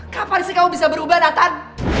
kapan sih kamu bisa berubah nathan